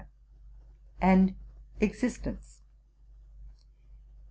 and existence.